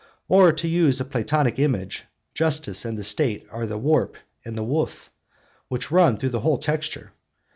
Or, to use a Platonic image, justice and the State are the warp and the woof which run through the whole texture.